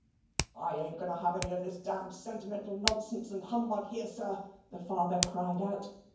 "I ain't going to have any of this dam sentimental nonsense and humbug here, sir," the father cried out.